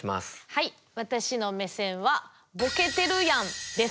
はい私の目線は「ボケてるやん」です。